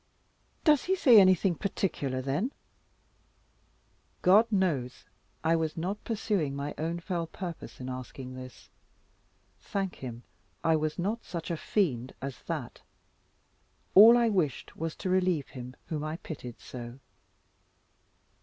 "Does he say anything particular then?" God knows I was not pursuing my own fell purpose in asking this. Thank Him, I was not such a fiend as that. All I wished was to relieve him whom I pitied so.